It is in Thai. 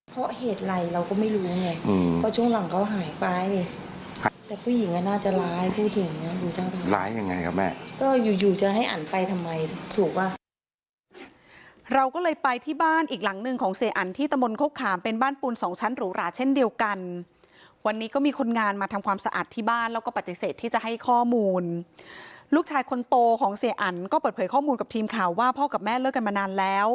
เพราะเหตุไรเราก็ไม่รู้ไงเพราะช่วงหลังเขาหายไปแต่ผู้หญิงก็น่าจะร้ายพูดถึงนะ